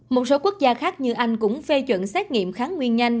một số quốc gia khác như anh cũng phê chuẩn xét nghiệm kháng nguyên nhanh